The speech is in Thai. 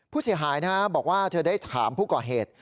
ผู้เสียหายบอกว่าเธอได้ถามผู้ก่อเหตุ